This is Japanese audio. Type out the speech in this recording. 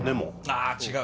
あ、違う！